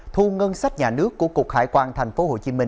thu ngân sách nhà nước của cục hải quan tp hcm